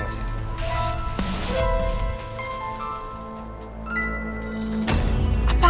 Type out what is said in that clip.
udah dua jam